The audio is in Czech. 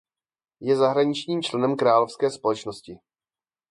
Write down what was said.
Je zahraničním členem Královské společnosti.